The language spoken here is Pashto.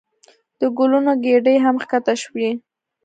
د ګلونو ګېډۍ هم ښکته شوې.